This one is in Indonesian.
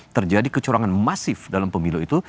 terjadi kecurangan masif dalam pemilu itu